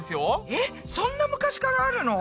えっそんな昔からあるの？